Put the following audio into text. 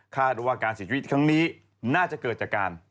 ว่าการเสียชีวิตครั้งนี้น่าจะเกิดจากการ